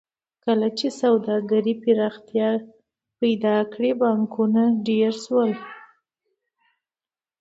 کله چې سوداګرۍ پراختیا پیدا کړه بانکونه ډېر شول